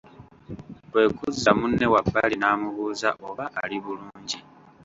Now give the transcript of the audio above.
Kwe kuzza munne wabbali n'amubuuza oba ali bulungi.